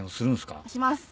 します。